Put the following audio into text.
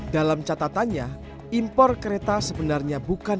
dalam catatannya impor kereta sebenarnya bukan